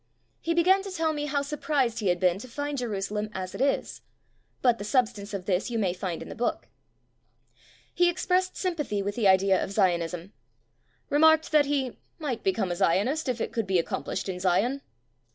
He began to tell me how sur prised he had been to find Jerusalem as it is. But the substance of this you may find in the book. He expressed sympathy with the idea of Zionism. Remarked that he "might become a Zionist if it could be accomplished in Zion".